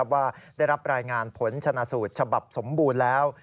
ว่ารายงานผลชะนศูนย์ฉบับสมบูรณ์แล้ว